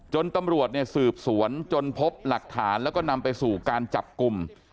ตำรวจเนี่ยสืบสวนจนพบหลักฐานแล้วก็นำไปสู่การจับกลุ่ม